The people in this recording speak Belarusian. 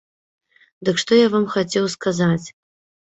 Дык што я вам хацеў сказаць.